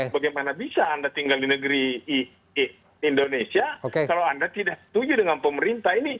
bagaimana bisa anda tinggal di negeri indonesia kalau anda tidak setuju dengan pemerintah ini